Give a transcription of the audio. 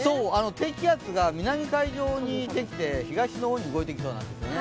低気圧が南海上にできて東の方に動いてきそうなんですね。